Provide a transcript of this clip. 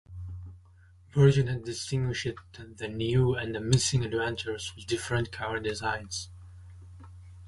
Virgin had distinguished the New and Missing Adventures with different cover designs.